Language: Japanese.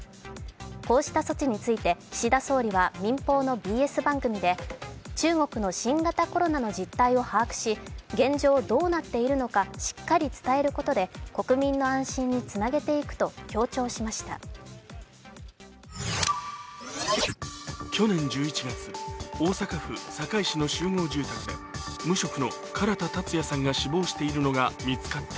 こうした措置について岸田総理は民放のＢＳ番組で中国の新型コロナの実態を把握し、現状どうなっているのかしっかり伝えることで国民の安心につなげていくと強調しました。